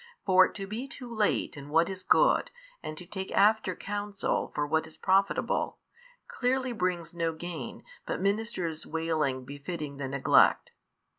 For to be too late in what is good and to take after counsel for what is profitable, clearly brings no gain but ministers wailing befitting the neglect.